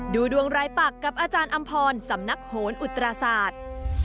ดูดวงรายปักกับอาจารย์อำพรสำนักโหนอุตราศาสตร์